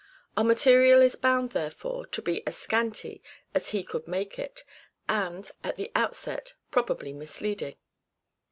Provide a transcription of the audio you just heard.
Our material is bound, therefore, to be as scanty as he could make it, and, at the outset, probably misleading.